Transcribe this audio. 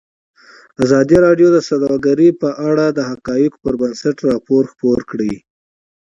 ازادي راډیو د سوداګري په اړه د حقایقو پر بنسټ راپور خپور کړی.